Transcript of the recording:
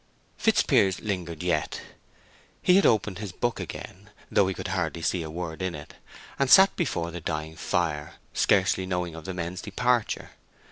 Fitzpiers lingered yet. He had opened his book again, though he could hardly see a word in it, and sat before the dying fire, scarcely knowing of the men's departure.